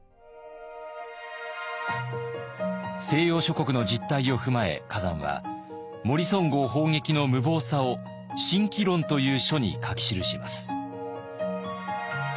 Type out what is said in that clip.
西洋諸国の実態を踏まえ崋山はモリソン号砲撃の無謀さを「慎機論」という書に書き記します。